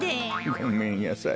ごめんやさい。